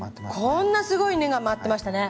こんなすごい根が回ってましたね。